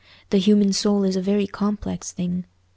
The human soul is a very complex thing.